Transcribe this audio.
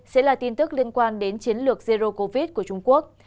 sẽ là tin tức liên quan đến chiến lược zero covid của trung quốc